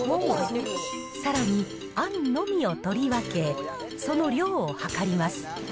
さらに、あんのみを取り分け、その量を量ります。